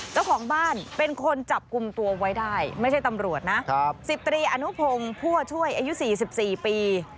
เจ้าของบ้านเป็นคนจับกลุ่มตัวไว้ได้ไม่ใช่ตำรวจนะครับสิบตรีอนุพงศ์ผู้อช่วยอายุสี่สิบสี่ปี